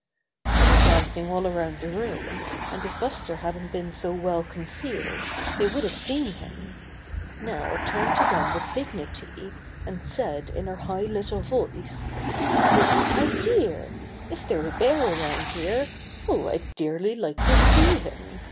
They were glancing all around the room, and if Buster hadn't been so well concealed Buster and the Little Girl 109 they would have seen him. Nell turned to them with dignity, and said in her high little voice : "What an idea! Is there a bear around here? Oh, I'd dearly like to see him!